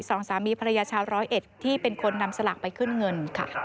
สองสามีภรรยาชาวร้อยเอ็ดที่เป็นคนนำสลากไปขึ้นเงินค่ะ